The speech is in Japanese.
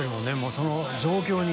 その状況に。